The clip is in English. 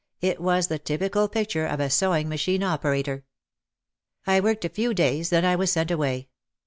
It was the typical picture of a sewing machine operator. I worked a few days, then I was sent away.